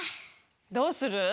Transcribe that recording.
どうする？